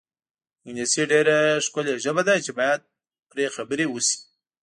انګلیسي ډېره ښکلې ژبه ده چې باید پرې خبرې وشي.